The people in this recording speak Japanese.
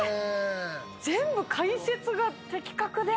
全部解説が的確で。